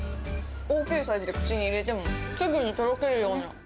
大きいサイズで、口に入れても、すぐにとろけるような。